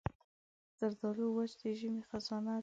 زردالو وچ د ژمي خزانه ده.